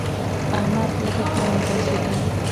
احمد لکه کاڼی داسې دی.